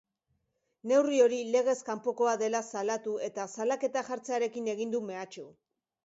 Neurri hori legez kanpokoa dela salatu eta salaketa jartzearekin egin du mehatxu.